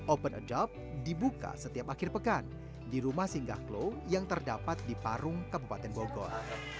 open addopt dibuka setiap akhir pekan di rumah singgah klo yang terdapat di parung kabupaten bogor